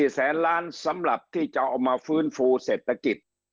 แสนล้านสำหรับที่จะเอามาฟื้นฟูเศรษฐกิจ